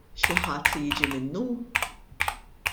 Xi ħadd li jiġi minnu?